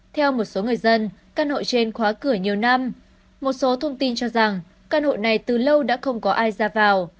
theo một số người dân căn hộ trên khóa cửa nhiều năm một số thông tin cho rằng căn hộ này từ lâu đã không có ai ra vào